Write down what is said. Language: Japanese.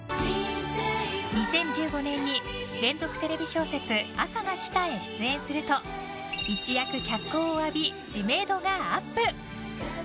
２０１５年に連続テレビ小説「あさが来た」へ出演すると一躍脚光を浴び、知名度がアップ。